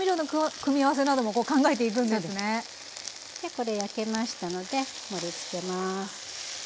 これ焼けましたので盛りつけます。